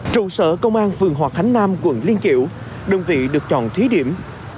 trụ sở công an phường hòa khánh nam quận liên kiểu đơn vị được chọn thí điểm